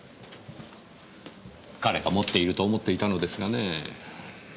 彼が持っていると思っていたのですがねぇ。